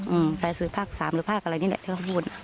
อืมสายสื่อภาคสามหรือภาคอะไรนี่แหละที่เขาพูด